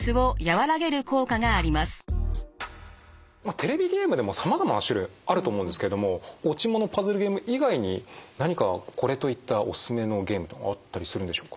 テレビゲームでもさまざまな種類あると思うんですけども落ち物パズルゲーム以外に何かこれといったおすすめのゲームというのはあったりするんでしょうか？